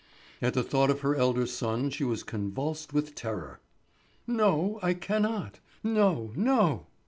At the thought of her elder son she was convulsed with terror. "No, I cannot; no, no!"